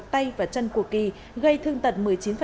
tay và chân của kỳ gây thương tật một mươi chín